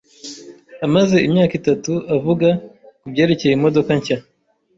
amaze imyaka itatu avuga kubyerekeye imodoka nshya.